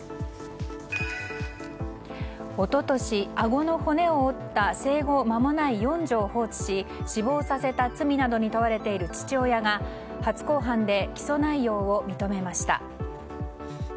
一昨年、あごの骨を折った生後まもない四女を放置し死亡させた罪などに問われている父親が初公判で起訴内容を認めました。